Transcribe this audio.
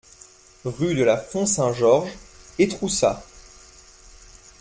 Rue de la Font Saint-Georges, Étroussat